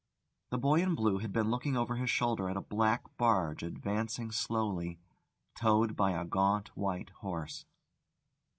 The boy in blue had been looking over his shoulder at a black barge advancing slowly, towed by a gaunt white horse.